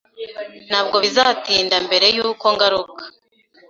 Ntabwo bizatinda mbere yuko ngaruka.